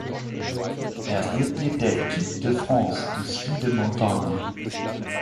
Er ist Mitglied der Equipe de France de Ski de Montagne.